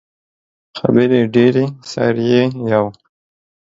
خبرې ډیرې سر يې یو.